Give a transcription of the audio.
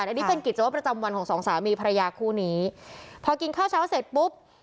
อันนี้เป็นกิจวัตรประจำวันของสองสามีภรรยาคู่นี้พอกินข้าวเช้าเสร็จปุ๊บ